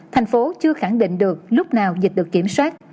thành phố chưa khẳng định được lúc nào dịch được kiểm soát